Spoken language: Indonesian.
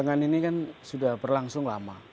kemenangan ini kan sudah berlangsung lama